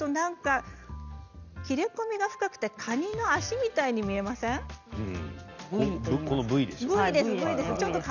切れ込みが深くてカニの足みたいに見えませんか？